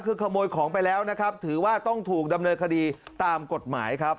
คือขโมยของไปแล้วนะครับถือว่าต้องถูกดำเนินคดีตามกฎหมายครับ